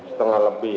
setengah lebih ya